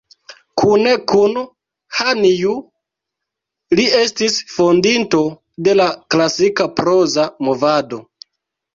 Kune kun Han Ju, li estis fondinto de la Klasika Proza Movado.